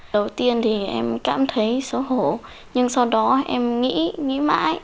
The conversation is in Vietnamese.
đầu tiên thì em cảm thấy xấu hổ nhưng sau đó em nghĩ nghĩ mãi